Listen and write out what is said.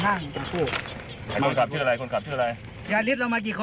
คนขับชื่ออะไร